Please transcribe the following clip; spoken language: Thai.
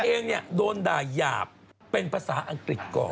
เองเนี่ยโดนด่ายาบเป็นภาษาอังกฤษก่อน